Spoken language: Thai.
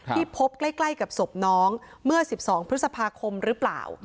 ที่พบใกล้กับศพน้องเมื่อ๑๒พฤษภาคมหรือเปล่า